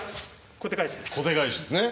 小手返しですね。